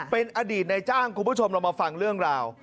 เป็นอดีตในจ้างคุณผู้ชมเรามาฟังเรื่องราว